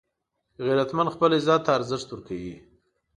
غیرتمند خپل عزت ته ارزښت ورکوي